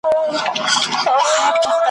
بيا به تاوکي چنګ برېتونه ,